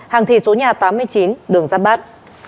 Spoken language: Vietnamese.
hàng thị số nhà tám mươi chín đường giáp bát